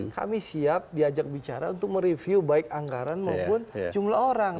kami siap diajak bicara untuk mereview baik anggaran maupun jumlah orang